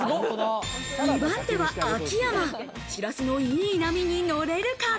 ２番手は秋山、白洲のいい波に乗れるか？